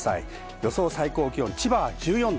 予想最高気温は千葉は１４度。